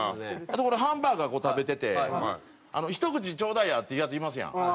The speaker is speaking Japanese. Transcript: あとこれハンバーガーこう食べててひと口ちょうだいやっていうヤツいますやん。